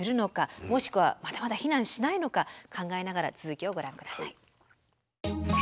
もしくはまだまだ避難しないのか考えながら続きをご覧下さい。